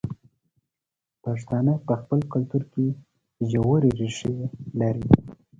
پښتانه په خپل کلتور کې ژورې ریښې لري.